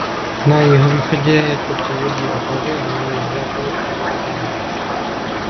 Na jihovýchodě je to povodí Otavy a na jihozápadě povodí Dunaje.